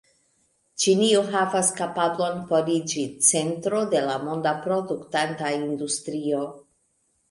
Ĉinio havas kapablon por iĝi centro de la monda produktanta industrio.